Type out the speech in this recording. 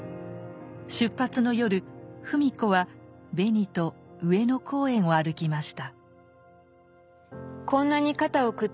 出発の夜芙美子はベニと上野公園を歩きました。